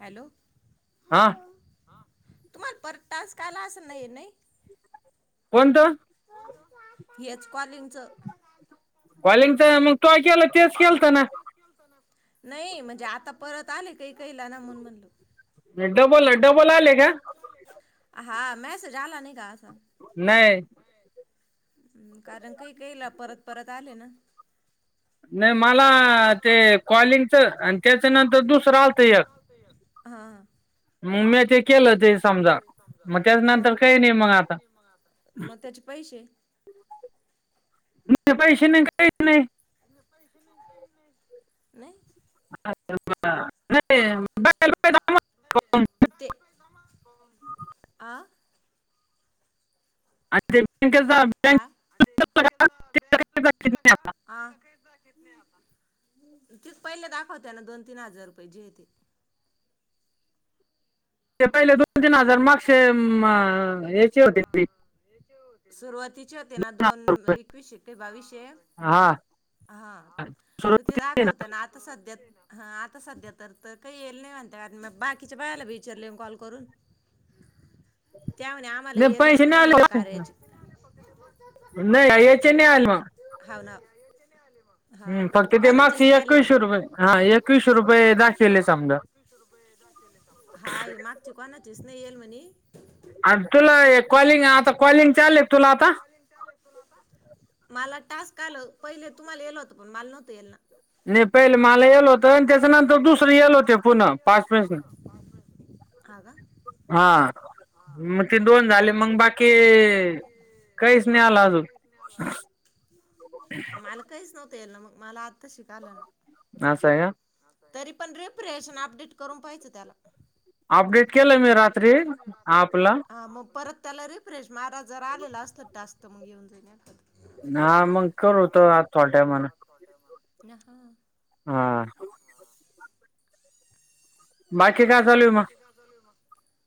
Hello हा तुम्हाला परत टास्क आला असंल नय नय कोणतं? हेच कॉलिंगचं कॉलिंग नही म्हणजे आता परत आले कही कहीला ना म्हणून म्हणलो डबल, डबल आले का? [unintelligible] नाही अम् कारण कही कहीला परत परत आले ना नळ मला ते कॉलिंगचं आणि त्याच्या नंतर दुसरं आलतं एक हां मग मी ते केलं म्या ते केल समजा ते समजा त्याच्यानंतर मग त्या काही नाही नंतर मग काय आता नाही आता मग त्याचे पैसे [unintelligible] पैसे नाय काय [unintelligible] पैसे नाही काही नाही नाही [inaudible] आम्हाला ते आ आत चल का [unintelligible] ते काही जातीत नाही आता. आ [unintelligible] पहिले दाखवतोय ना दोन-तीन हजार रुपंय जेे आहे ते? ते पहिलंच हो तू तीन हजार माग शेम अं हेचे होते ते सुरवाती [unintelligible] ‌ दोन इकवीशे ते बावीशे, हा हां तर ते दाखवतं ना आता सध्यात हां आता सध्या तर तर काही येल नाही म्हणत्यात मग बाकीच्या बायाला मी विचारले कॉल करून त्या म्हणे आम्हाला लई येलच पैन्शन नाही नाय म्हणे या आली कार्याची [inaudible] नय याचे नाय आले मग हाव ना हा हम्म, हा फक्त ते कोणाचेच मागचे नाही आले एकवीसशे रुपये हा एकवीसशे रुपये दाखवले समजा [unintelligible] हा हे मागचे कोणाचे स्नेयल मणी आर तुला एक कॉलिंग, आता कॉलिंग चाल्लेत तुला आता? हॅलो पहिले तुम्हाला येल होतं पण मला नव्हंत येल ना नाही पहिले मला येत होत आणि त्याच्यानंतर दुसरल येल होत पुन पाच हा का हा मग ते दोन झाले मंग बाकी काहीच नाही आला अजून होतय ना मग मला आत्ताशी कळाल ना! ह सया तरी पण रिपरेश अन् अपडेट करून पाहियचं त्याला अपडेट केलं मी रात्री आपला अपला रिफ्रेश मारा जरा आलेलं असतं टास्क तुम्हा घेऊन जा नाही खात? हा मग करू तो आज च्योट्या मना ना ह हा बाकी काय चालू आहे मग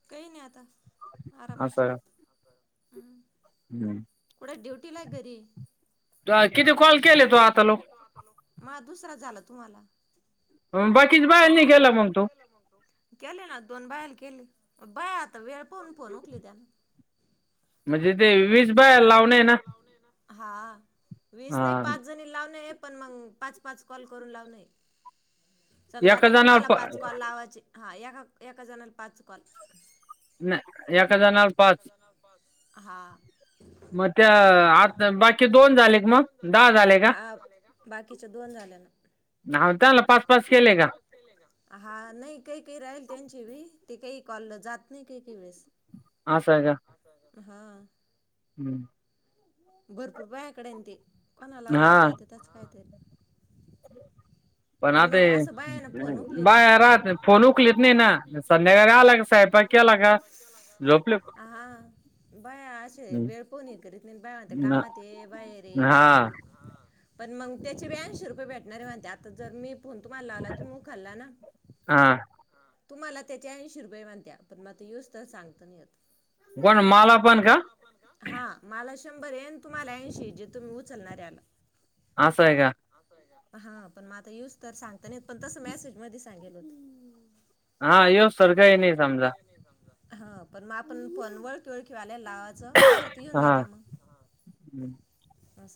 काही नाही आता आराम असं आहे. हम्म ड्युटीला घरी तू किती कॉल केले तो आता लोक माजा दुसरा झाला तुम्हाला बाकीच बाहेर नाही गेला मग तू केले दोन बायल केली बा आता वेळ कोण फोन उचलित्या. म्हणजे ते वीस बाया लावणे आहे ना. हा वीस हा नाही पाच जणी लाव नाहीए पण मग पाच पाच कॉल करून लावलय न समजा एका आता जणावर तुम्हाला पा पाच कॉल लावायचे. हा एका एका जणाला पाच कॉल. नाही एका जणाला पाच हा मग त्या आता बाकी दोन झाले का मग दहा झाले का हा बाकीच्या दोन झाल्या ना त्याला पाच, पाच केले का? काय काय राहील त्यांची बी ते काही कॉल जात नाही काही काही वेळेस अस हाय का? हा हम्म. भरपूर बायाकडे ते कोणाला हा लावता येत त्याच कायतरी? पण मग हे असं बाया ना फोन उखलीत नही बाया ना राहत फोन उकलीत नाही ना संध्याकाळी आला का स्वयंपाक केला का झोपले हा बाया असे वेळ फोन हे करीत नही बाया म्हणत्यां कामात ये बाहेर हे हा पण मंग त्याचे ब्याऐंशी रुपये भेटणारे म्हणत्यात त जर मीप फोन तुम्हाला लावला तुम्ही उखाळा ना हा तुम्हाला त्याचे ऐंशी रुपये म्हणत्या पण म आता येऊस तवर सांगता नाय येत कोण माला पण का शंभरये आणि तुम्हाला ऐंशीये जे तुम्ही उचलणाऱ्याला अस आहे का? हा पण मग आता यूस तर सांगता नाय येत पण तस मेसेजमध्ये सांगेल होत हा येवस्तुर काय नाय समजा हा पण म आपण फोन वळखी वळखीवाल्या त्याला लावाच आले तर येऊन हा जात्या मग हा अस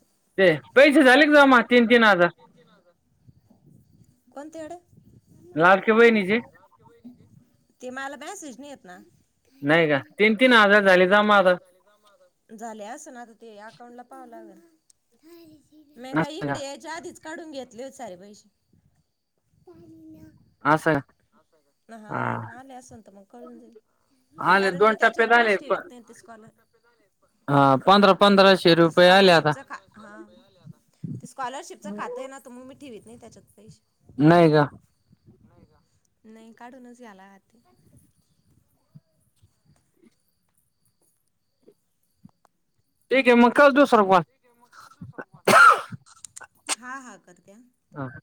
पैसे ते झाले का जमा पैसे तीन झाले तीन का जमा हजार तीन तीन हजार कोणते अड लाडक्या बहिणीचे? ते मला मॅसेज नाई येत ना हाय का, नाही हजार झाले तीन तीन जमा आता हजार झाले जमा आता झाले असन आता ते अकाउंटला पाहावं लागल. मे काय असं का इकडे यायच्या आधीच काढून घेत [inaudible] सारे पैसेे [inaudible] असं हा आले असन‌ तर मग कळून जाईल. आले कारण दोन मी त्याच्यावर टप्प्यात आले पैसे ठेवीत नाय ते [unintelligible] हा पंधरा पंधराशे ते रुपये आले आता स्कॉलरशिपच खा [unintelligible] हा ते स्कॉलरशिपच खात हाय ना ठीवित नाय त्याच्यात पैसे नाही का नही काढूनच घ्या लागत. ठीक हे मं कर तूच [unintelligible] हा हा करत्या आहा